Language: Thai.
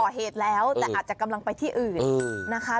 ก่อเหตุแล้วแต่อาจจะกำลังไปที่อื่นนะคะ